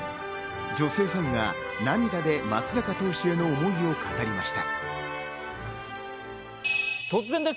女性ファンは涙で松坂投手への思いを語りました。